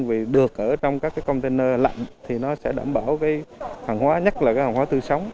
vì được ở trong các cái container lạnh thì nó sẽ đảm bảo cái hàng hóa nhất là hàng hóa tươi sống